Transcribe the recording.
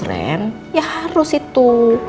harus ren ya harus itu